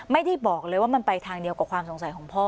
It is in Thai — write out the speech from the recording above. ไม่ได้บอกเลยว่ามันไปทางเดียวกับความสงสัยของพ่อ